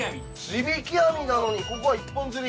地引網なのにここは一本釣り。